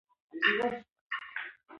هغۀ خټکی وخوړ. هغې خټکی وخوړ.